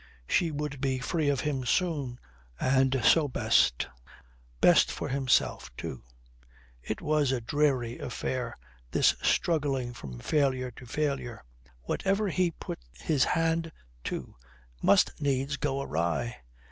She would be free of him soon, and so best. Best for himself, too; it was a dreary affair, this struggling from failure to failure. Whatever he put his hand to must needs go awry.